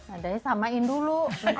nah dari samain dulu